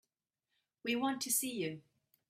We want to see you.